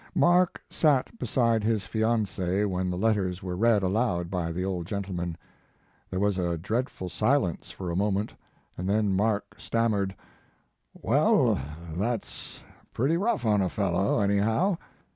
Mark sat beside his fiancee when the letters were read aloud by the old gentleman. There was a dreadful silence for a moment, and then Mark stammered: " Well, that s pretty rough on a fellow, anyhow?